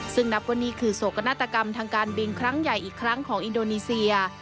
ซึ่งนับว่านี่คือโศกนาฏกรรมทางการบินครั้งใหญ่อีกครั้งของอินโดนีเซีย